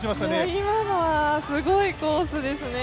今のはすごいコースですね。